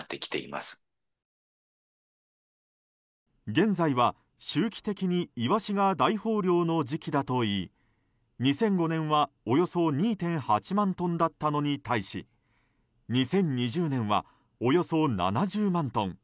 現在は周期的にイワシが大豊漁の時期だといい２００５年はおよそ２．８万トンだったのに対し２０２０年はおよそ７０万トン。